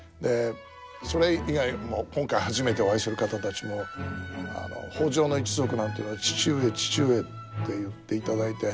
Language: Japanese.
それ以外も今回初めてお会いする方たちも北条の一族なんていうのは「父上父上」って言っていただいて。